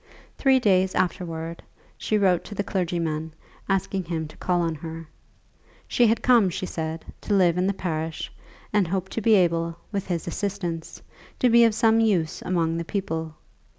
Three days afterwards she wrote to the clergyman, asking him to call on her. She had come, she said, to live in the parish, and hoped to be able, with his assistance, to be of some use among the people.